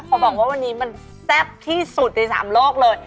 บอกว่าวันนี้มันแซ่บที่สุดในสามโลกเลย